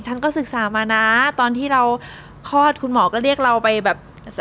ฉันก็ศึกษามานะตอนที่เราคลอดคุณหมอก็เรียกเราไปแบบ